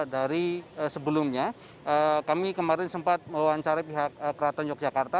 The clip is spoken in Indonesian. jadi sebelumnya kami kemarin sempat mewawancari pihak keraton yogyakarta